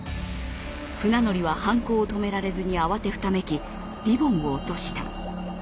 船乗りは犯行を止められずに慌てふためきリボンを落とした。